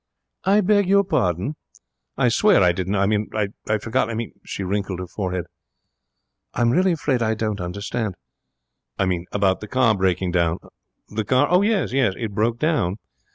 'I beg your pardon?' she said, very sweetly. 'I swear I didn't know I mean, I'd forgotten I mean ' She wrinkled her forehead. 'I'm really afraid I don't understand.' 'I mean, about the car breaking down.' 'The car? Oh, yes. Yes, it broke down.